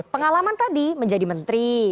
pengalaman tadi menjadi menteri